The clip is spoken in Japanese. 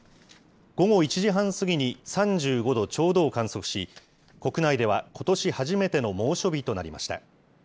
午後１時半過ぎに３５度ちょうどを観測し、国内ではことし初めての猛暑日となりました。